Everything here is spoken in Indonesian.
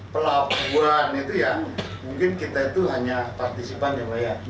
pelabuhan itu ya mungkin kita itu hanya partisipan ya